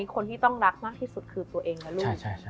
คนที่ต้องรักมากที่สุดคือตัวเองและลูก